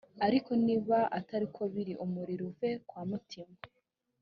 ariko niba atari ko biri umuriro uve kwamutima